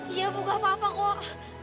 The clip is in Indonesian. iya ibu gak apa apa kok